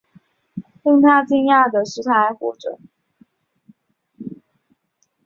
令他讶异的是她还活着